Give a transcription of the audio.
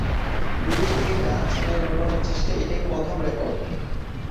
বিদেশ থেকে গাছ এনে রোপণের চেষ্টা এটাই প্রথম রেকর্ড।